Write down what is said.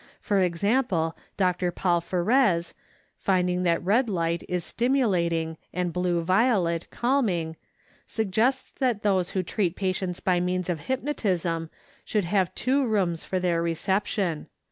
For example, Dr. Paul Ferez, finding that red light is stimulating and blue violet calming, suggests that those who treat patients by means of hypnotism should have two rooms for their reception.